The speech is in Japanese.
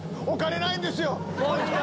お金ないんですよ本当。